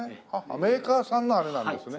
メーカーさんのあれなんですね。